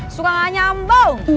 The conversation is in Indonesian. suka gak nyambung